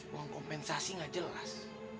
buang kompensasi nggak jelas